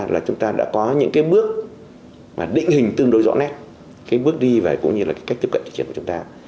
là chúng ta đã có những cái bước mà định hình tương đối rõ nét cái bước đi và cũng như là cái cách tiếp cận thị trường